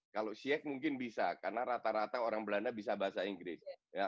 kalau syech mungkin bisa karena rata rata orang belanda bisa bahasa inggris